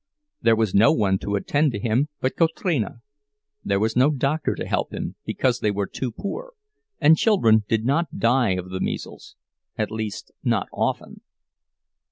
There was no one to attend him but Kotrina; there was no doctor to help him, because they were too poor, and children did not die of the measles—at least not often.